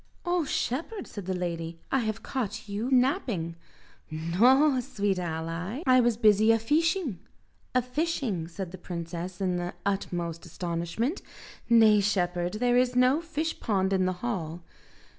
"Oh, shepherd," said the lady, "I have caught you napping!" "Noa, sweet ally, I was busy a feeshing." "A fishing," said the princess in the utmost astonishment: "Nay, shepherd, there is no fish pond in the hall."